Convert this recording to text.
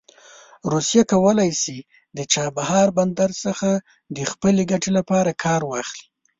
روسیه کولی شي د چابهار بندر څخه د خپلې ګټې لپاره کار واخلي.